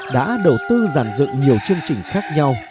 đã đầu tư giàn dựng nhiều chương trình khác nhau